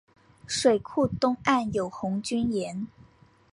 水库东岸有红军岩。